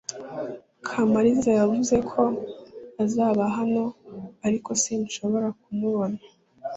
Kamari yavuze ko azaba hano, ariko sinshobora kumubona .